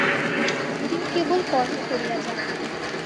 তিনি কেবল কর্ম করিয়া যান।